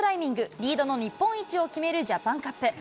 リードの日本一を決めるジャパンカップ。